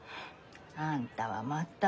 あんたはまた。